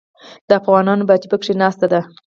د افغانانو پاچا پکښې ناست دی.